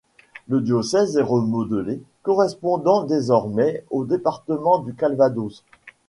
Le diocèse est remodelé, correspondant désormais au département du Calvados.